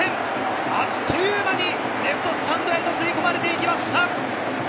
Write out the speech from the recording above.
バット一閃、あっという間にレフトスタンドへと吸い込まれていきました。